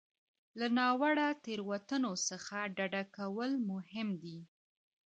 له ناوړه تېروتنو څخه ډډه کول مهم دي.